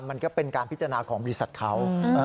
มันก็เป็นการพิจารณาของบริษัทเขา